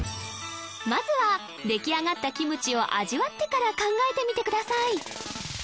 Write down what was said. まずは出来上がったキムチを味わってから考えてみてください